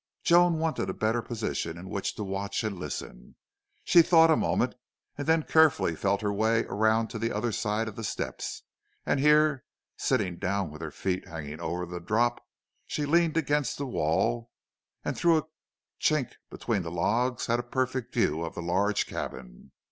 Joan wanted a better position in which to watch and listen. She thought a moment, and then carefully felt her way around to the other side of the steps, and here, sitting down with her feet hanging over the drop, she leaned against the wall and through a chink between the logs had a perfect view of the large cabin.